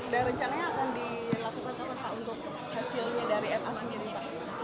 bagaimana teman teman pak untuk hasilnya dari ma sendiri